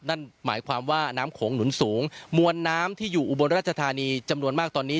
นั่นหมายความว่าน้ำโขงหนุนสูงมวลน้ำที่อยู่อุบลราชธานีจำนวนมากตอนนี้